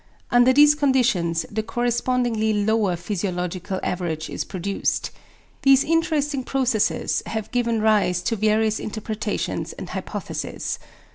Under these conditions the correspondingly lower physiological average is produced. These interesting processes have given rise to various interpretations and hypotheses.